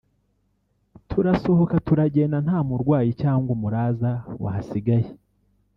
turasohoka turagenda nta murwayi cyangwa umuraza wahasigaye